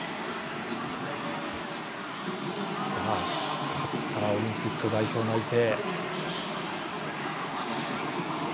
最後、勝ったらオリンピック代表内定。